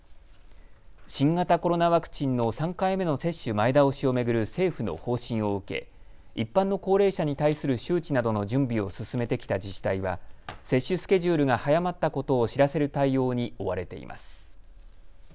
新型コロナワクチンの３回目の接種前倒しを巡る政府の方針を受け一般の高齢者に対する周知などの準備を進めてきた自治体は接種スケジュールが早まったことを知らせる対応に追われています。